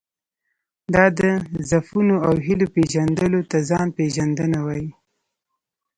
دا د ضعفونو او هیلو پېژندلو ته ځان پېژندنه وایي.